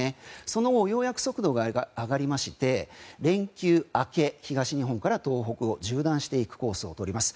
その後ようやく速度が上がりまして連休明け、東日本から東北を縦断していくコースを取ります。